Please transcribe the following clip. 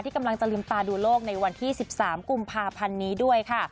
กำลังจะลืมตาดูโลกในวันที่๑๓กุมภาพันธ์นี้ด้วยค่ะ